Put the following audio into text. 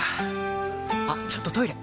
あっちょっとトイレ！